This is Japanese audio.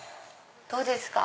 どうですか？